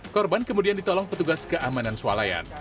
korban kemudian ditolong petugas keamanan swalayan